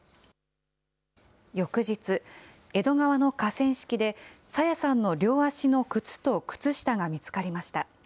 翌日、江戸川の河川敷で、朝芽さんの両足の靴と靴下が見つかりました。